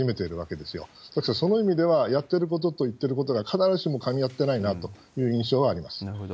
ですからその意味では、やってることと言ってることが必ずしもかみ合ってないなという印なるほど。